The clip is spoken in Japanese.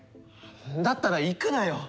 だったら行くなよ！